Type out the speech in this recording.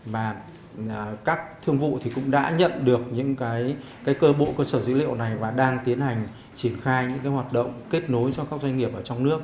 và các thương vụ thì cũng đã nhận được những cơ bộ cơ sở dữ liệu này và đang tiến hành triển khai những hoạt động kết nối cho các doanh nghiệp ở trong nước